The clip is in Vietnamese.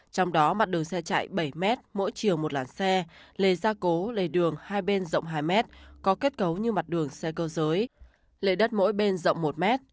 trong đó mặt đường xe chạy bảy m mỗi chiều một làn xe lề gia cố lề đường hai bên rộng hai mét có kết cấu như mặt đường xe cơ giới lệ đất mỗi bên rộng một m